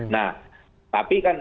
nah tapi kan